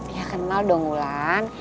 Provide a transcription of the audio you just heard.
ya kenal dong wulan